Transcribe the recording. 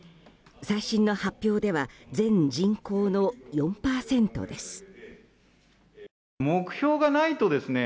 最新の発表では全人口の４％です。